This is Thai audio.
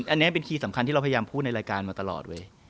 อันนี้เป็นคีย์สำคัญที่เราพยายามพูดในรายการมาตลอดเว้ย